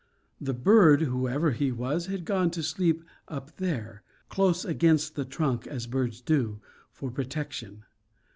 The bird, whoever he was, had gone to sleep up there, close against the trunk, as birds do, for protection.